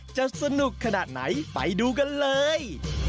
จะสนุกขนาดไหนไปดูกันเลย